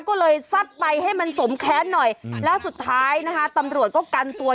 ก็เลยซัดไปให้มันสมแค้นหน่อยแล้วสุดท้ายนะคะตำรวจก็กันตัว